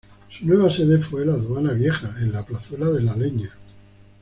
Su nueva sede fue la Aduana Vieja, en la plazuela de La Leña.